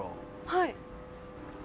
はい。